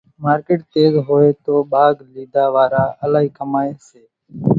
مارڪيٽ تيز هوئيَ تو ٻاگھ ليڌا وارو الائِي ڪمائيَ سي۔